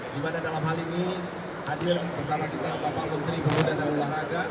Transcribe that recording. di mana dalam hal ini hadir bersama kita bapak menteri pemuda dan olahraga